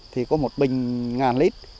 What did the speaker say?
thì có một bình một nghìn lít